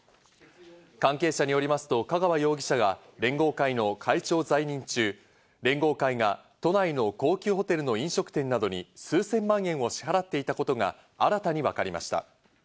関係者によりますと、香川容疑者が連合会の会長在任中、連合会が都内の高級ホテルの飲食店などに数千万円を支払っていたことが新たに分かりました。